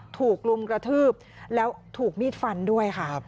ถูกรุมกระทืบแล้วถูกมีดฟันด้วยค่ะ